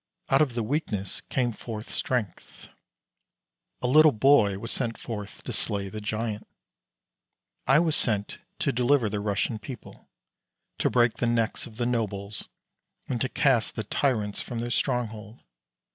Out of the weakness came forth strength; a little boy was sent forth to slay the giant. I was sent to deliver the Russian people, to break the necks of the nobles, and to cast the tyrants from their stronghold.